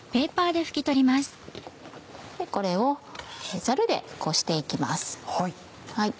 これをザルでこして行きます。